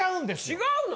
違うの？